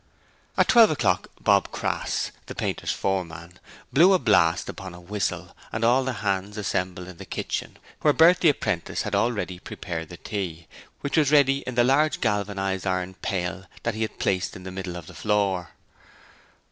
At twelve o'clock Bob Crass the painters' foreman blew a blast upon a whistle and all hands assembled in the kitchen, where Bert the apprentice had already prepared the tea, which was ready in the large galvanized iron pail that he had placed in the middle of the floor.